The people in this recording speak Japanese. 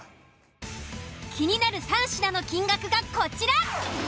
気になる３品の金額がこちら。